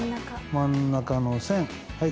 真ん中の線はい